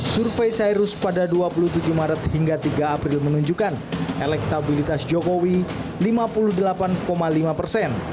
survei cyrus pada dua puluh tujuh maret hingga tiga april menunjukkan elektabilitas jokowi lima puluh delapan lima persen